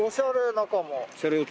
中も。